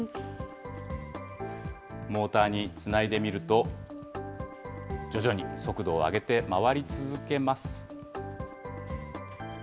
モーターにつないでみると、徐々に速度を上げて回り続けます。